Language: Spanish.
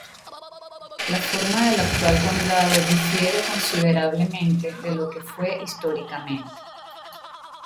La forma del actual condado difiere considerablemente de lo que fue históricamente.